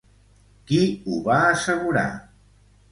Qui ho va assegurar?